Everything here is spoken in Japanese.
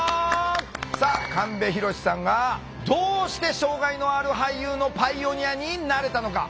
さあ神戸浩さんがどうして障害のある俳優のパイオニアになれたのか。